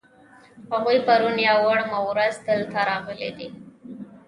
هغوی پرون یا وړمه ورځ دلته راغلي دي.